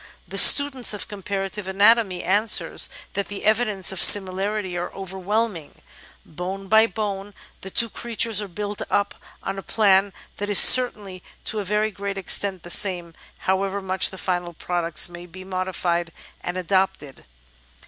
The student of comparative anatomy answers that the evidences of similarity are overwhelming: bone by bone the two creatures are built up on a plan that is certainly to a very great extent the same, however much the final products may be modified and adapted.